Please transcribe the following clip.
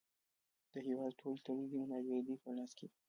د هېواد ټولې تولیدي منابع د دوی په لاس کې دي